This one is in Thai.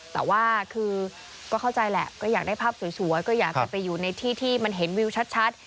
แต่ว่าคือก็เข้าใจแหละก็อยากได้ภาพสวยก็อยากจะไปอยู่ในที่ที่มันเห็นวิวชัด